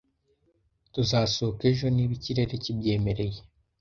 Tuzasohoka ejo niba ikirere kibyemereye.